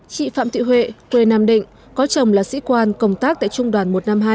chị phạm thị huệ quê nam định có chồng là sĩ quan công tác tại trung đoàn một trăm năm mươi hai